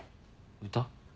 歌？